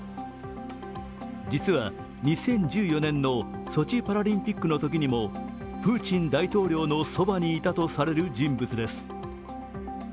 実は２０１４年のソチパラリンピックのときにもプーチン大統領のそばにいたとされる人物です。